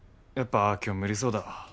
やっぱ今日無理そうだわ。